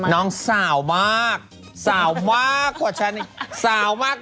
น้องสาวมากสาวมากสาวมาก